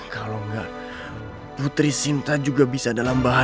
kalau nggak putri sinta juga bisa dalam bahaya